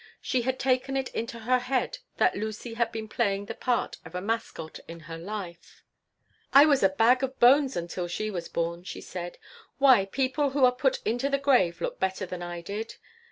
She had taken it into her head that Lucy had been playing the part of a mascot in her life "I was a bag of bones until she was born," she said. "Why, people who are put into the grave look better than I did.